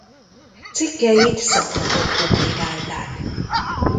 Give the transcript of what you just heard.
Cikkeit szaklapok publikálták.